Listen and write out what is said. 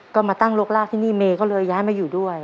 ก็มาตั้งโรคลากที่นี่เมก็เลยย้ายมาอยู่ด้วย